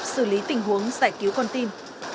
xử lý tình huống giải cứu con tim